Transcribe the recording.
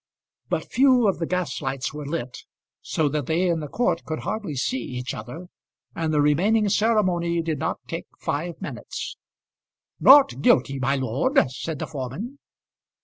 But few of the gas lights were lit, so that they in the court could hardly see each other, and the remaining ceremony did not take five minutes. "Not guilty, my lord," said the foreman.